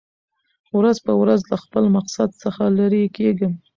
ورځ په ورځ له خپل مقصد څخه لېر کېږم .